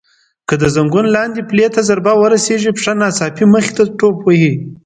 که د زنګون لاندې پلې ته ضربه ورسېږي پښه ناڅاپي مخې ته ټوپ وهي.